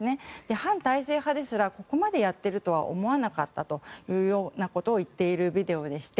反体制派ですらここまでやっているとは思わなかったと言っているビデオでして。